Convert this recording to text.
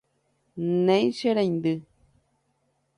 Néi che reindy.